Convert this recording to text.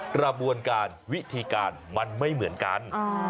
กระบวนการวิธีการมันไม่เหมือนกัน